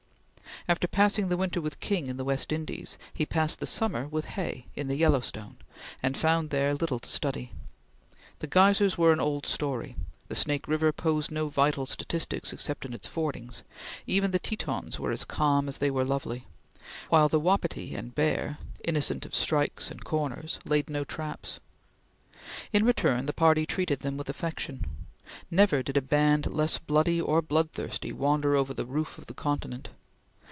After passing the winter with King in the West Indies, he passed the summer with Hay in the Yellowstone, and found there little to study. The Geysers were an old story; the Snake River posed no vital statistics except in its fordings; even the Tetons were as calm as they were lovely; while the wapiti and bear, innocent of strikes and corners, laid no traps. In return the party treated them with affection. Never did a band less bloody or bloodthirsty wander over the roof of the continent.